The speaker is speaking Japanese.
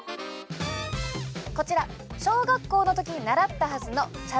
こちら小学校の時に習ったはずの茶